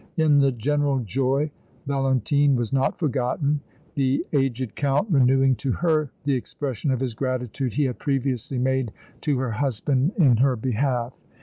In the general joy Valentine was not forgotten, the aged Count renewing to her the expression of his gratitude he had previously made to her husband in her behalf.